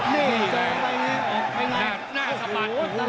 นี่ออกไปไงหน้าสะบัด